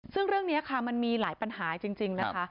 ซึ่งเรื่องนี้ค่ะมันมีหลายปัญหาจริงนะคะ